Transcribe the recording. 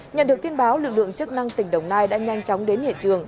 nhận được tin báo lực lượng chức năng tỉnh đồng nai đã nhanh chóng đến hiện trường